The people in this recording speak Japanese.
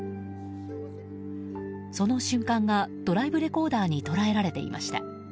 その瞬間がドライブレコーダーに捉えられていました。